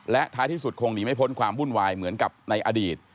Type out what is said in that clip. และท้ายที่สุดคงหนีไม่พ้นความวุ่นวายเหมือนกับในอดีต